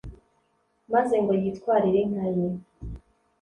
maze ngo yitwarire inka ye